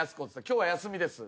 「今日は休みです」